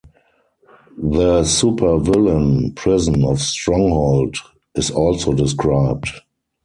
The supervillain prison of Stronghold is also described.